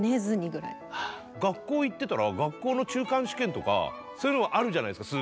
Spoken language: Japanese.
学校行ってたら学校の中間試験とかそういうのもあるじゃないですか。